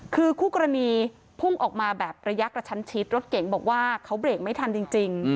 คือคู่กรณีพุ่งออกมาแบบระยะกระชั้นชิดรถเก๋งบอกว่าเขาเบรกไม่ทันจริง